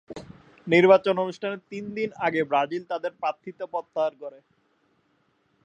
নির্বাচন অনুষ্ঠানের তিন দিন আগে ব্রাজিল তাদের প্রার্থীতা প্রত্যাহার করে।